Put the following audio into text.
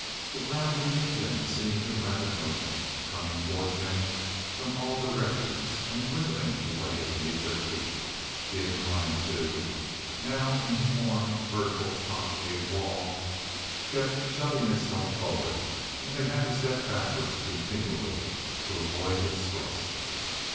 The ground beneath them seemed in rapid motion, coming towards them from all directions, and dwindling away beneath their feet. The incline too now in form a vertical concave wall kept shoving itself forward, and they had to step backwards continually to avoid its thrust.